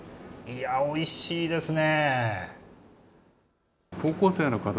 おいしいですね。